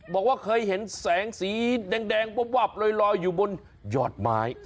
บอกว่าเคยเห็นแสงสีแดงวับลอยอยู่บนหยอดไม้